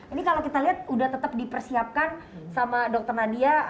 ini kalau kita lihat udah tetap dipersiapkan sama dokter nadia